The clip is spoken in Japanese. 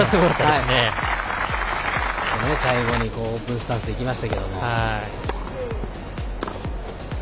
最後にオープンスタンスいきましたけど。